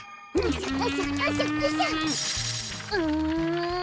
うん。